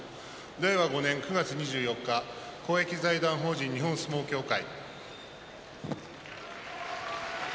令和５年９月２４日公益財団法人日本相撲協会